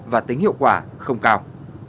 và tính hiệu quả không cao